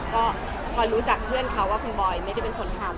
ก็พลอยรู้จักเพื่อนเขาว่าคุณบอยไม่ได้เป็นคนทำ